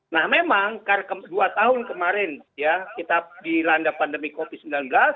nah memang karena dua tahun kemarin ya kita dilanda pandemi covid sembilan belas